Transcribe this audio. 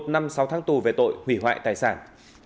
một năm sáu tháng tù về tội hủy hoại tài sản